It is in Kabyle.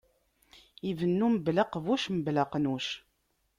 Ibennu mebla aqbuc, mebla aqnuc.